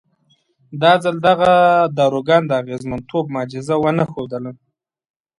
دا ځل دغه داروګان د اغېزمنتوب معجزه ونه ښودله.